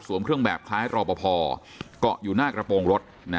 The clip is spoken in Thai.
สวมเครื่องแบบคล้ายรอบพอก็อยู่หน้ากระโปรงรถนะ